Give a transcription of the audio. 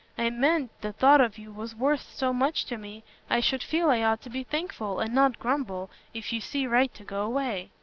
I meant, the thought of you was worth so much to me, I should feel I ought to be thankful, and not grumble, if you see right to go away.